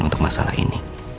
untuk masalah ini